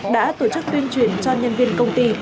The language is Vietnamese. đã tổ chức tuyên truyền cho nhân viên công ty